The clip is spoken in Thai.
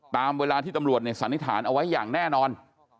ตามเวลาที่ตำรวจสันนิษฐานเอาไว้อย่างแน่นอน